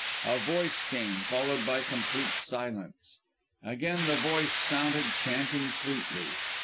A voice came followed by complete silence. Again the voice sounded, chanting sweetly.